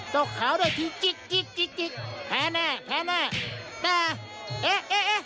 เจ้าขาวได้ที่จิ๊กจิ๊กจิ๊กจิ๊กแพ้แน่แพ้แน่แต่เอ๊ะเอ๊ะเอ๊ะ